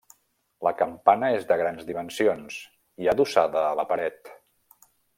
La campana és de grans dimensions, i adossada a la paret.